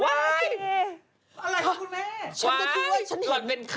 ว้ายตบใจว้ายคุณแม่น่าขี้